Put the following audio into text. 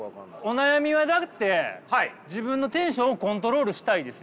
お悩みはだって自分のテンションをコントロールしたいですよ。